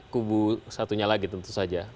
kubu satunya lagi tentu saja